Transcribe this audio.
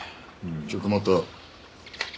ちょっと待った。